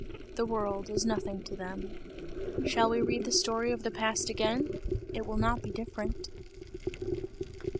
The world is nothing to them. Shall we read the story of the past again? It will not be different.